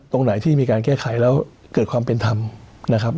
ตรงไหนที่มีการแก้ไขแล้วเกิดความเป็นธรรมนะครับ